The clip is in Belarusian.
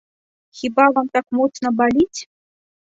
Хіба вам так моцна баліць?